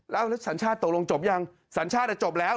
แล้วสัญชาติตกลงจบยังสัญชาติจบแล้ว